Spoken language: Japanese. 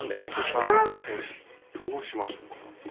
時間⁉どうしましょうか。